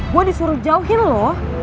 gue disuruh jauhin lo